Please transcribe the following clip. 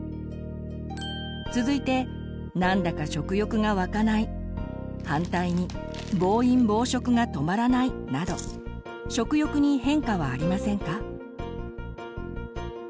続いて何だか食欲がわかない反対に暴飲暴食が止まらないなど食欲に変化はありませんか？